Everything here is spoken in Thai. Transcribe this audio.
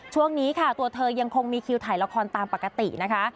ช่วงนี้ค่ะตัวเธอยังคงมีคิวถ่ายละครตามปกตินะคะ